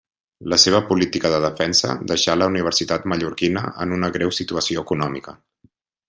La seva política de defensa deixà la universitat mallorquina en una greu situació econòmica.